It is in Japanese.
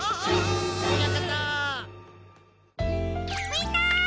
みんな！